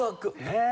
へえ！